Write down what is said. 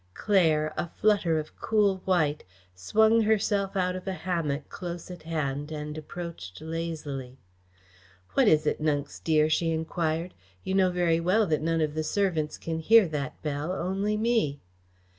Claire, a flutter of cool white, swung herself out of a hammock close at hand and approached lazily. "What is it, Nunks dear?" she enquired. "You know very well that none of the servants can hear that bell, only me."